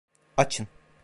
Açın.